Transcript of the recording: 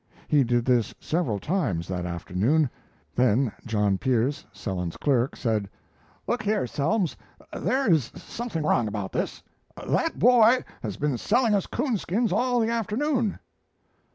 He did this several times that afternoon; then John Pierce, Selins's clerk, said: "Look here, Selms, there is something wrong about this. That boy has been selling us coonskins all the afternoon."